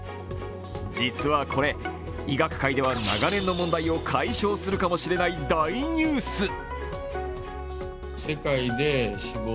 実はこれ、医学界では長年の問題を解消するかもしれない大ニュース。